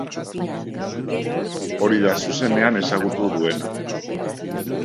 Hori da zuzenean ezagutu duena.